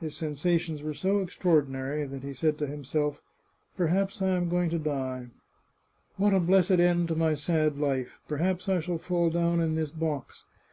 His sensa tions were so extraordinary that he said to himself :" Per haps I am going to die. What a blessed ending to my sad 512 The Chartreuse of Parma life ! Perhaps I shall fall down in this box.